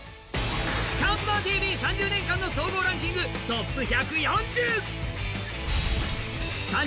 「ＣＤＴＶ」３０年間の総合ランキングトップ１４０！